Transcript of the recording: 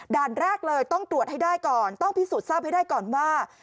แรกเลยต้องตรวจให้ได้ก่อนต้องพิสูจน์ทราบให้ได้ก่อนว่า